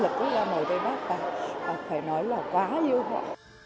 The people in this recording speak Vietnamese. phải nói là quá nhiều họ